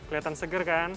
kelihatan segar kan